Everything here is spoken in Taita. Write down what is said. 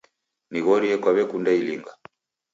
Nighorie kwawekunda ilinga?